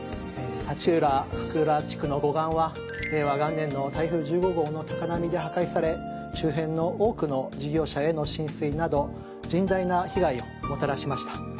幸浦・福浦地区の護岸は令和元年の台風１５号の高波で破壊され周辺の多くの事業所への浸水など甚大な被害をもたらしました。